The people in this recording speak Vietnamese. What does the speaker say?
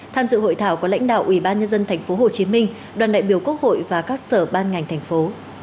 tham dự hội thảo có lãnh đạo ủy ban nhân dân thành phố hồ chí minh đoàn đại biểu quốc hội và các sở ban ngành thành phố